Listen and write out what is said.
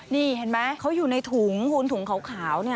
นี่เห็นไหมเขาอยู่ในถุงถุงขาว